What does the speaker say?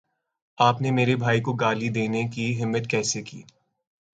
آپ نے میرے بھائی کو گالی دینے کی ہمت کیسے کی